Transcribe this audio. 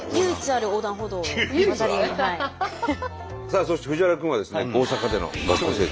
さあそして藤原君はですね大阪での学校生活。